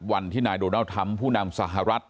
วันที่นายดูนอลทำผู้นำสหรัฐ